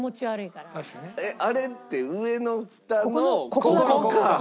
あれって上のフタのここか。